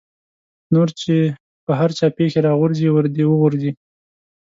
نور چې په هر چا پېښې را غورځي ور دې وغورځي.